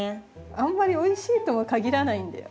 あんまりおいしいとも限らないんだよ。